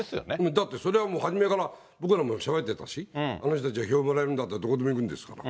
だってそれはもう、初めから僕らもしゃべってたし、あの人たちは票もらえるんだったら、どこでも行くんですから。